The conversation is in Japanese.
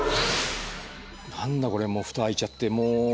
何だこれもう蓋開いちゃってもう。